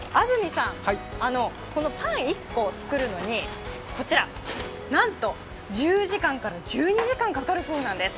パン１個を作るのに、なんと１０時間から１２時間かかるそうなんです。